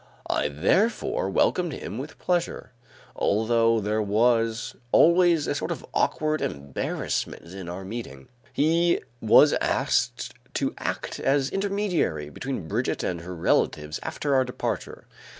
I therefore welcomed him with pleasure, although there was always a sort of awkward embarrassment in our meeting. He was asked to act as intermediary between Brigitte and her relatives after our departure.